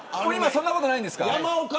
そんなことないんですか。